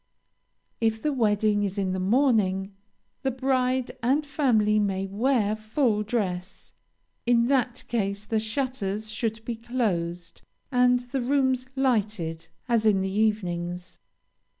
If the wedding is in the morning, the bride and family may wear full dress; in that case the shutters should be closed and the rooms lighted as in the evenings.